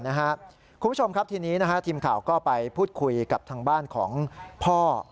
คุณผู้ชมครับทีนี้ทีมข่าวก็ไปพูดคุยกับทางบ้านของพ่อ